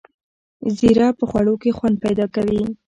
زیره په خوړو کې خوند پیدا کوي